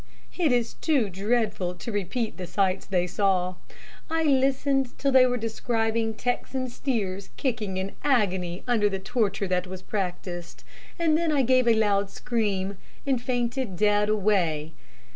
"It is too dreadful to repeat the sights they saw. I listened till they were describing Texan steers kicking in agony under the torture that was practised, and then I gave a loud scream, and fainted dead away.